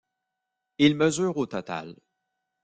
Il mesure au total.